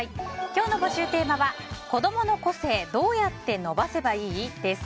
今日の募集テーマは子供の個性どうやって伸ばせばいい？です。